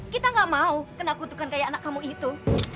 kita gak mau kena kutukan kayak anak kamu itu